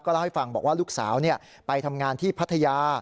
เล่าให้ฟังบอกว่าลูกสาวไปทำงานที่พัทยา